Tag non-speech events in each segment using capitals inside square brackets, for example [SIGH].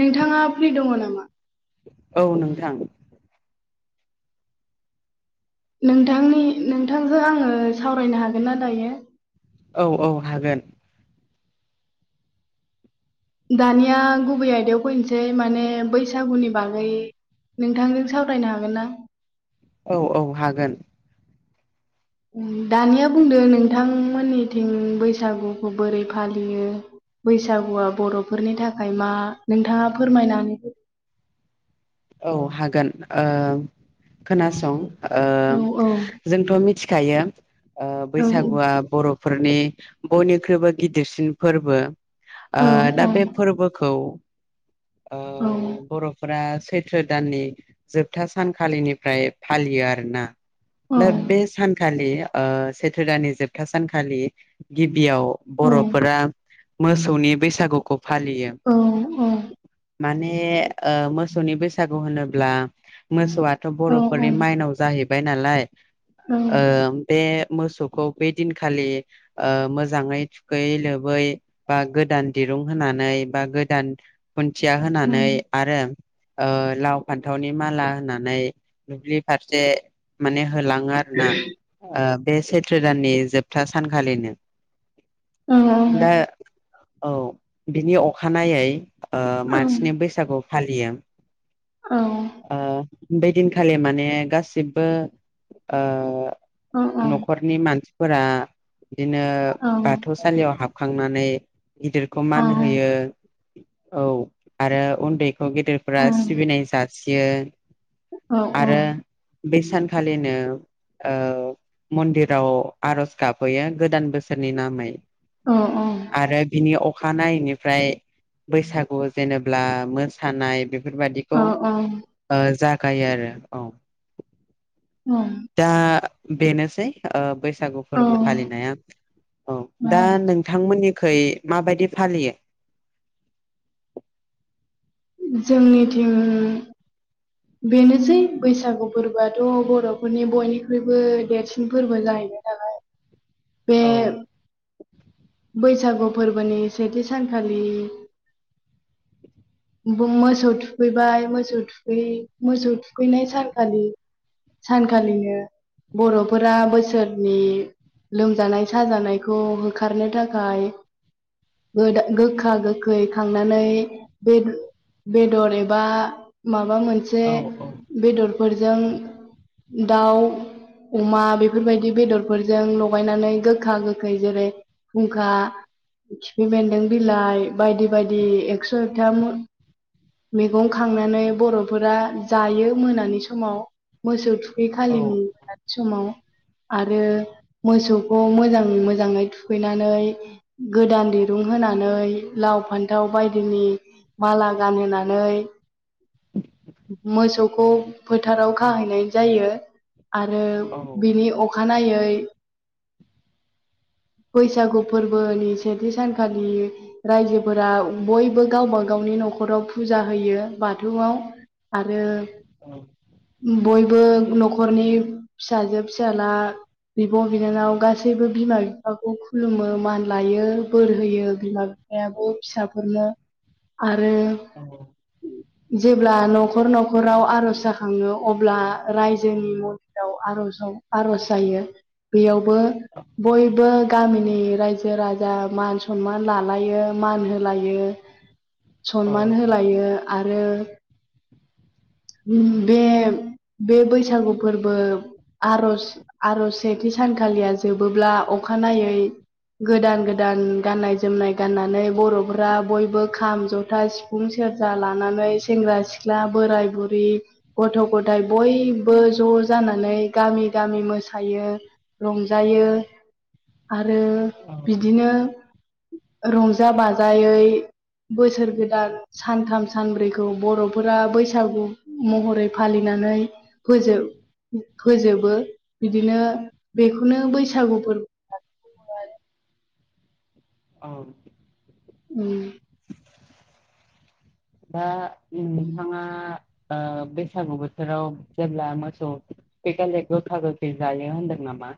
नोंथाङा फ्रि दङ नामा? औ नोंथां नोंथांनि नोंथांजों आङो सावरायनो हागोन ना दायो? औ औ हागोन दानिया गुबै आयदायाव फैनोसै माने बैसागुनि बागै नोंथांजों सावरायनो हागोन ना? औ औ हागोन दानिया बुंद नोंथांमोननिथिं बैसागुखौ बोरै फालियो बैसागुआ बर'फोरनि थाखाय मा नोंथाङा फोरमायनानै औ हागोन खोनासं ओ औ औ जोंथ' मिथिखायो औ बैसागुआ बर'फोरनि बयनिख्रुइबो गिदिरसिन फोरबो औ ओ औ दा बे फोरबोखौ आ औ बर'फोरा सैथ्रो दाननि जोबथा सानखालिनिफ्राय फालियो आरोना औ दा बे सानखालि सैथ्रो दानि जोबथा सानखालि गिबियाव औ बर'फोरा मोसौनि बैसागुखौ फालियो औ औ माने ओ मोसौनि बैसागु होनोब्ला मोसौआथ' बर'फोरनि माइनाव जाहैबाय नालाय बे मोसौखौ बे दिनखालि मोजाङै थुखै लोबै बा गोदान दिरूं दुदुं होनानै बा गोदान खुन्थिया होनानै आरो ओ लाव फान्थावनि माला होनानै दुब्लि फारसे माने होलाङो आरोना ओ बे सैथ्र दाननि जोबथा सानखालिनो अ दा औ बिनि अखानायै ओ औ औ मानसिनि बैसागु फालियो औ ओ बेदिनखालि माने गासिबो औ न'खरनि मानसिफोरा बिदिनो औ बाथौसालियाव हाबखांनानै गिदिरखौ औ मान होयो औ आरो उन्दैखौ गेदेरफोरा सिबिनाय जासियो आरो बे सानखालिनो ओ मन्दिराव आरज गाबहैयो गोदान बोसोरनि नामै औ आरो बिनि अखानायैनिफ्राय बैसागु जेनेबा मोसानाय बेफोरबाददिखौ औ औ ज गायो आरो औ दा बेनोसै बैसागु फोरबो फालिनाया औ दा नोंथांमोननि खै माबायदि फालियो जोंनि थिं बेनोसै बैसागु फोरबोआथ' बर'फोरनि बयनिख्रुइबो देरसिन फोरबो जाहैनो नालाय बे औ बैसागु बैसागु फोरबोनि सेथि सानखालि मोसौ थुखैबाय मोसौ थुखै मोसौ थुखैनाय सानखालि सानखालिनो बर'फोरा बोसोरनि लोमजानाय साजानायखौ होखारनो थाखाय गो गोखा गोखै खांनानै बे बेदर एबा माबा माबा मोनसे औ औ बेदरफोरजों दाउ अमा बेफोरबायदि बेदरफोरजों लगायनानै गोखा गोखै जेरै फुंखा खिफि बेन्दों बिलाइ बायदि बायदि एक्स' इकथा मैगं खांनानै बर'फोरा जायो मोनानि समाव मोसौ थुखै औ बेखालिनि बेलासि समाव आरो मोसौखौ मोजां मोजाङै थुखैनानै गोदान दिरुं होनानै लाउ फान्थाव बायदिनि माला गानहोनानै औ मोसौखौ फोथाराव खाहैनाय जायो आरो औ बिनि अखा अखानायै बैसागु फोरबोनि सेथि सानखालि रायजोफोरा बयबो गावबा गावनि नि न'खराव फुजा होयो बाथौआव। आरो औ बयबो न'खरनि फिसाजो फिसाला बिब' बिनानाव गासैबो बिमा बिफाखौ खुलुमो मान लायो बोर होयो बिमा फायाबो फिसाफोरनो आरो औ जेब्ला न खर न'खराव आर'ज जाखाङो अब्ला रायजोनि मन्दिराव आर'जाव आर'ज जायो बेयावबो बयबो गामिनि रायजो राजा मान सनमान लालायो मान होलायो। औ सनमान होलायो आरो उम बे बे बैसागु फोरबो आर'ज आर'ज सेथि सानखालिया जोबोब्ला अखानायै गोदान गोदान गाननाय जोमनाय गाननानै बर'फोरा बयबो खाम, जथा, सिफुं, सेरजा लानानै सेंग्रा सिख्ला बोराय बुरै गथ' गथाय बयबो ज' जानानै गामि गामि मोसायो। रंजायो आरो बिदिनो रंजा बाजायै बोसोर गोदान सानथाम सानब्रैखौ बर'फोरा बैसागु महरै फालिनानै फोजोब फोजोबो बिदिनो बेखौनो बैसागु फोरबो औ उम दा नोंथाङा ओ बैसागु बोथोराव जेब्ला मोसौ थुखैखालि गोखा गोखै जायो होनदोंमोन नामा?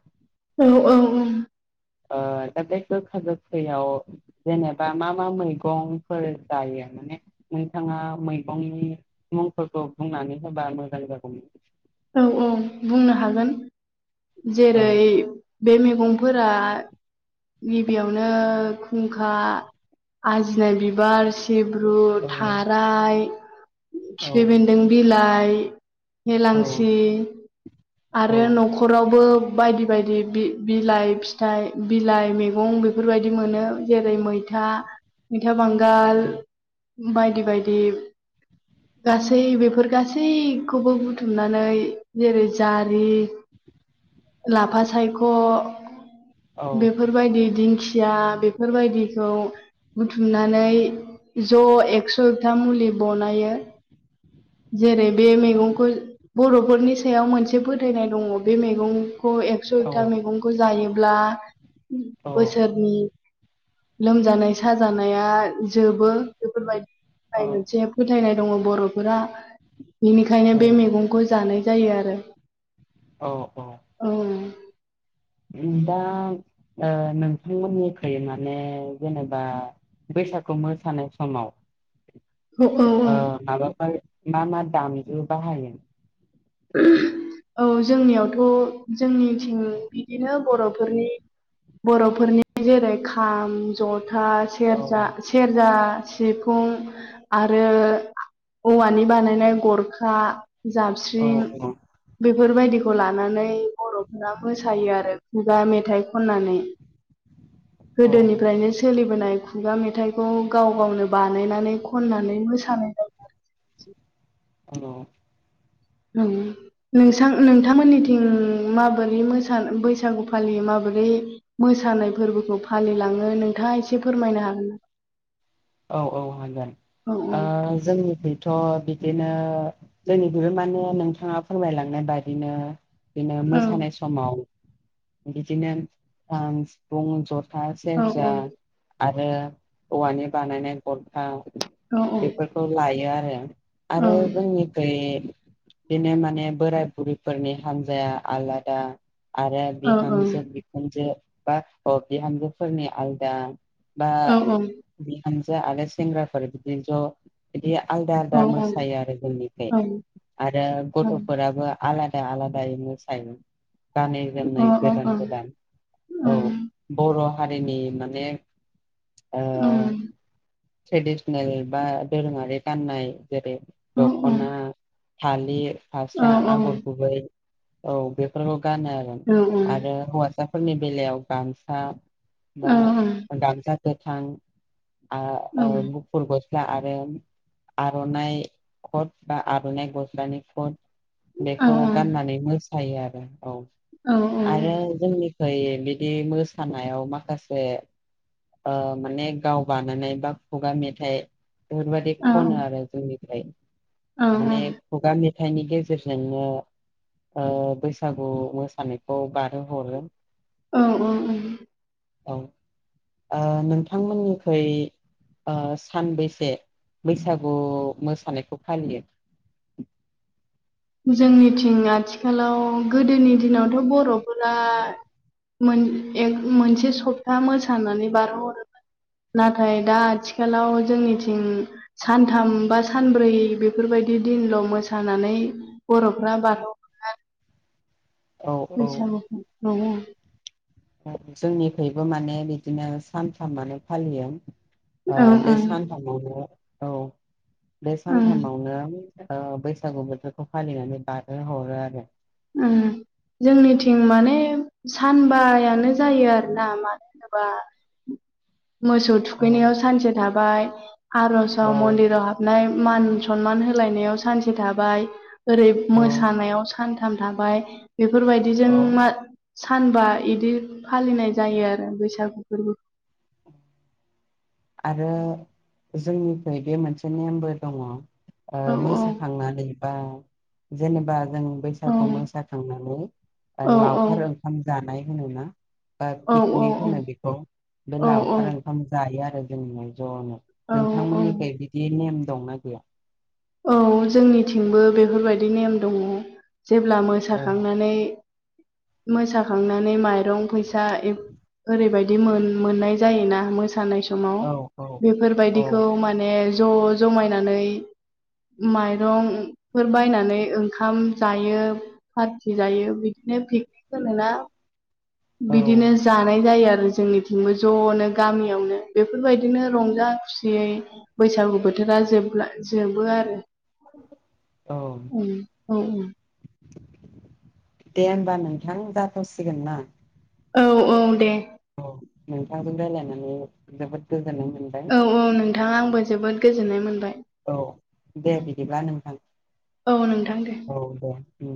औ औ औ ओ बे गोखा गोखैयाव जेनेबा मा मा मैगंफोर जायो? माने नोंथाङा मैगंनि मुंफोरखौ बुंनानै होबा मोजां जागौमोन। औ औ बुंनो हागोन। औ जेरै बे मैगंफोरा गिबियावनो खुंखा, आजिनाय बिबार, सिब्रु, औ थाराय औ खिफि बेन्दों बिलाइ, औ हेलांसि रि औ आरो न'खरावबो बायदि बायदि बि-बिलाइ फिथाइ बिलाइ मैगं बेफोरबायदि मोनो जेरै मैथा मैथा, मैथा बांगाल बायदि बायदि गासै बेफोर गासैखौबो बुथुमना नै जेरै जारि [UNINTELLIGIBLE] लाफा सायख' बेफोरबायदि दिं खिया बेफोरबायदिखौ बुथुमनानै ज' एक्स'था मुलि बनायो। जेरै बे मैगंखौ बर'फोरनि सायाव मोनसे फोथायनाय दङ बे मैगंखौ एक्स' औ एकथा मैगंखौ जायो ब्ला बोसोरनि लोमजानाय साजानाया जोबो बेफोरबायदिनि थाखाय मोनसे फोथायनाय दङ बर'फोरा बेनिखायनो औ दा बे मैगंखौ जानाय जायो आरो अ दा ओ नोंथांमोननिखै माने जेनेबा बैसागु मोसानाय समाव औ औ ओ माबाफोर मा मा दामजु बाहायो [INAUDIBLE] औ जोंनियावथ' जोंनिथिं बिदिनो बर'फोरनि बर'फोरनि जेरै खाम जथा औ सेरजा सेरजा सिफुं आरो औवानि बानायनाय गरखा जाब औ औ बेफोरबायदिखौ लानानै बर'फोरा मोसायो आरो खुगा मेथाइ खननानै औ गोदोनिफ्रायनो सोलिबोनाय खुगा मेथाइखौ गाव गावनो बानायनानै खननानै मोसानाय जायो आरो हेल' नोंसां नोंथांमोननिथिं माबोरै मो बैसागु फालियो माबोरै मोसानाय फोरबोखौ फालिलाङो नोंथाङा एसे फोरमायनो हागोन ना? औ औ हागोन औ औ जोंनिफ्रायथ' बिदिनो जोंनिथिंबो माने नोंथाङा फोरमायलांनाय बादिनो बिनो औ मोसानाय समाव बिदिनो खाम सिफुं जथा सेरजा आरो आरो औवानि बानायनाय गरखा बेफोरखौ लायो आरो। आरो जोंनिखै बिदिनो माने बोराइ बुरिफोरनि हान्जाया आलादा आरो बिहामजो बिखुनजो बा बिहामजो फोरनि आलदा बा औ औ बिहामजो आरो सेंग्राफोर बिदि ज' बिदि आलादा आलदा मोसायो आरो जोंनिफ्राय आरो गथ'फोराबो आलादा आलादायै मोसायो गानै जोमनाय गोदान गोदान औ बर' हारिनि माने ओ उम ट्रेडिसनेल बा दोरोङारि गाननाय जेरै दख'ना फालिर फास्रा औ आगर गुबै औ बेफोरखौ गानो आरो आरो हौवासाफोरनि बेलायाव गामसा बा गामसा गोथां गुफुर ग स्ला आरो आर'नाइ खट बा आर'नाइ गस्लाानि खट बेखौ गाननानै मोसायो आरो औ आरो जोंनि खै बिदि मोसानायाव माखासे माने गाव बानायनाय बा खुगा मेथाइ बेफोरबायाददि खनो आरो जोंनिफ्राय माने खुगा मेथाइनि गेजेरजोंनो बैसागु मोसानायखौ बारहो हरो औ औ औ औ नोंथांमोननिख्रुइ ओ सानबैसे बैसागु मोसानायखौ फालियो। जोंनिथिं आथिखालाव गोदोनि दिनावथ' बर'फोरा एक मोनसे सप्ता मोसानानै बारहोहरोमोन नाथाय दा आथिखालाव जोंनिथिं सानथाम बा सानब्रै बेफोरबायदि बिदि दिनल' मोसानानै बर'फ्रा बाथौ औ बैसागु [UNINTELLIGIBLE] औ जोंनिखैबो माने बिदिनो सानथामानो फालियो ओ ओं बे ओं सानथामावनो औ बे ओं सानथामावनो ओ बैसागु बोथोरखौ फालिनानै बारहो हरो आरो। उम जोंनिथिं माने सानबायानो जायो आरोना मानो होनोबा मोसौ थुखैनायाव सानसे थाबाय आर'ज औ मन्दिराव हाबनाय मान सनमान होलायनायाव सानसे थाबाय ओरै औ मोसानायाव सान थाम थाबाय बेफोर बायदिजों औ मा-सानबा इदि फालिनाय जायो आरो बैसागु फोरबो आरो जोंनिफ्राय बे मोनसे नेमबो दङ'। ओ औ मोसाखांनानै बा जेनेबा जों औ बैसागु मोसाखांनानै ओ औ लावखार औ ओंखाम जानाय। होनोना बा औ औ पिकनिक होनो बेखौ बे औ लावखार औ ओंखाम जायो आरो जों ज'नो औ नोंथांमोननिखै बिदि नेम दंना गैया? औ जोंनिथिंबो बेफोर बायदि नेम दङ'। जेब्ला औ मोसाखांनानै मोसाखांनानै माइरं फैसा ए ओरैबायदि मोन-मोननाय जायोना मोसानाय स समाव औ औ बेफोर औ बायदिखौ माने ज' जमायनानै माइरंफोर बायनानै ओंखाम जायो फारथि जायो बिद नो पिकनिक होनोना औ बिदिनो जानाय जायो। आरो जोंनिथिंबो ज'नो गामियावनो बेफोर बायदिनो रंजा खुसियै बैसागु बोथोरा जोबला जोबो आरो। औ उम औ औ दे होमबा नोंथां जाथ'सिगोन ना? औ औ दे। औ नोंथांजों रालायनानै जोबोद गो औ औ नोंथां आंबो जोबोद गोजोननाय मोनबाय। औ दे बिदिब्ला नोंथां। औ नोंथां दे औ दे।